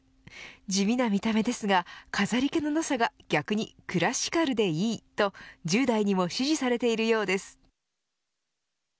地味な見た目ですが飾り気のなさが逆に、クラシカルでいいと１０代にも支持されているようです。